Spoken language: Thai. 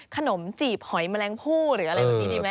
ขนมจีบหอยแมลงผู้หรืออะไรแบบนี้ดีไหม